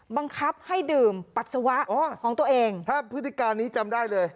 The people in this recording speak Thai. บังคับให้ดื่มปัสสาวะอ๋อของตัวเองถ้าพฤติการนี้จำได้เลย